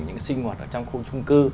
những cái sinh hoạt ở trong khu trung cư